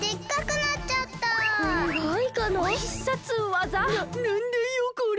ななんだよこれ？